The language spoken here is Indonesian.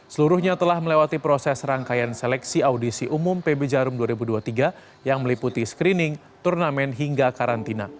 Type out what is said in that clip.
seluruhnya telah melewati proses rangkaian seleksi audisi umum pb jarum dua ribu dua puluh tiga yang meliputi screening turnamen hingga karantina